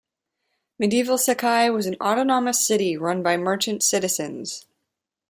Medieval Sakai was an autonomous city run by merchant citizens.